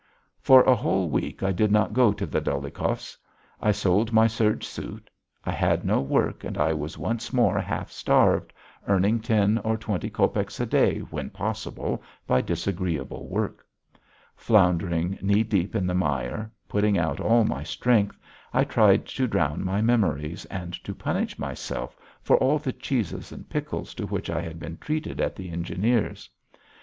For a whole week I did not go to the Dolyhikovs'. I sold my serge suit. I had no work and I was once more half starved, earning ten or twenty copecks a day, when possible, by disagreeable work. Floundering knee deep in the mire, putting out all my strength, I tried to drown my memories and to punish myself for all the cheeses and pickles to which I had been treated at the engineer's.